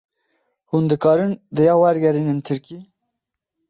Hûn dikarin vêya wergerînin tirkî?